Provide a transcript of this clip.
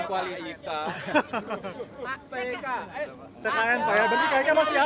pak surapala ketemu pak andesia